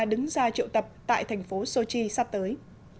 đứng ra triệu tập tại thành phố sochi sắp tới